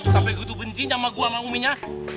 sampai gitu benci sama gue sama uminya